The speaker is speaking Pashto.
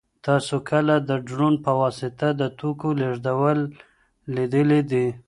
تاسو کله د ډرون په واسطه د توکو لېږدول لیدلي دي؟